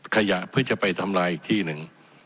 ขยะเพื่อจะไปทำลายอีกที่หนึ่ง